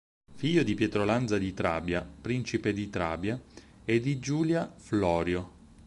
Figlio di Pietro Lanza di Trabia, principe di Trabia e di Giulia Florio.